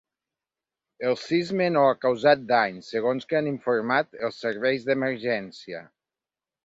El sisme no ha causat danys, segons que han informat els serveis d’emergència.